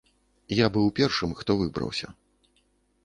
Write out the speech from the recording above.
Я быў першым, хто выбраўся.